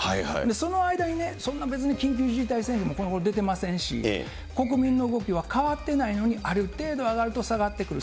その間にそんな別に緊急事態宣言もこのごろ出てませんし、国民の動きは変わってないのに、ある程度上がると下がってくる。